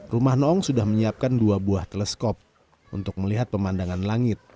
rumah noong sudah menyiapkan dua buah teleskop untuk melihat pemandangan langit